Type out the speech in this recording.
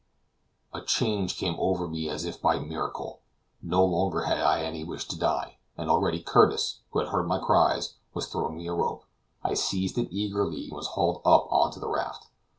A change came over me as if by miracle. No longer had I any wish to die, and already Curtis, who had heard my cries, was throwing me a rope. I seized it eagerly, and was hauled up on to the raft.